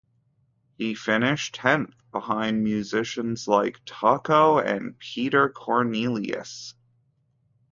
He finished tenth behind musicians like Taco and Peter Cornelius.